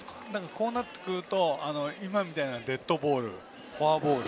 こうなってくると今みたいなデッドボール、フォアボール。